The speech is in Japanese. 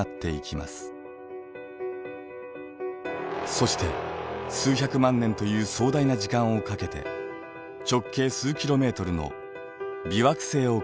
そして数百万年という壮大な時間をかけて直径数キロメートルの微惑星を形成します。